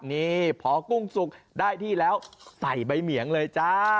นี่พอกุ้งสุกได้ที่แล้วใส่ใบเหมียงเลยจ้า